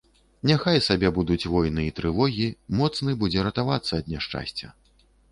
Няхай сабе будуць войны і трывогі, моцны будзе ратавацца ад няшчасця.